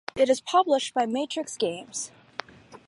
It is published by Matrix Games.